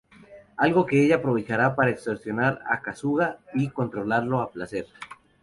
Algo que ella aprovechará para extorsionar a Kasuga, y controlarlo a placer.